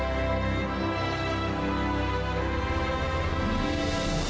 โปรดติดตามต่อไป